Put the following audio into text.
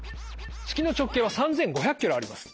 月の直径は３，５００ｋｍあります。